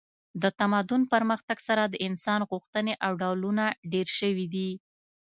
د تمدن پرمختګ سره د انسان غوښتنې او ډولونه ډیر شوي دي